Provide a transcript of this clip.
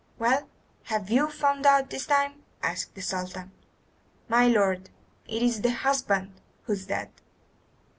"Well, have you found out this time?" asked the Sultan. "My lord, it is the husband who is dead."